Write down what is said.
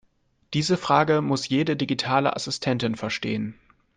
Diese Frage muss jede digitale Assistentin verstehen.